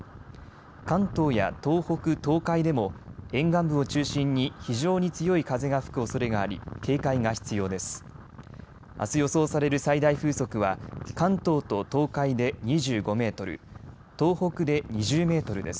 関東や東北、東海でも沿岸部を中心に非常に強い風が吹くおそれがあり警戒が必要です。